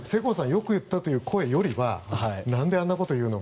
よく言ったという声よりは何であんなこと言うの？